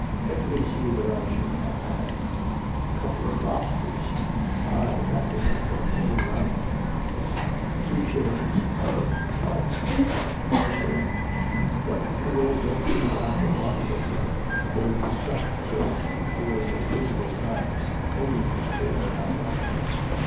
Let me see what should I have had? A couple of lobsters; ay, that would have done very well; two shillings: tarts, a shilling. But you will drink a glass of wine with me, though you supped so much before your usual time only to spare my pocket."